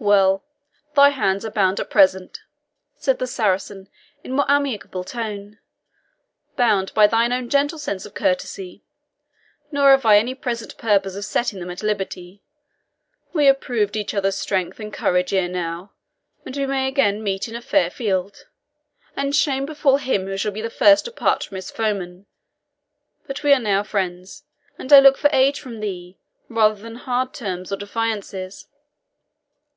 "Well. Thy hands are bound at present," said the Saracen, in a more amicable tone "bound by thine own gentle sense of courtesy; nor have I any present purpose of setting them at liberty. We have proved each other's strength and courage ere now, and we may again meet in a fair field and shame befall him who shall be the first to part from his foeman! But now we are friends, and I look for aid from thee rather than hard terms or defiances."